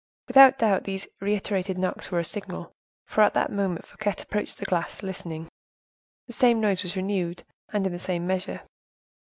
Without doubt, these reiterated knocks were a signal; for, at the moment Fouquet approached the glass listening, the same noise was renewed, and in the same measure.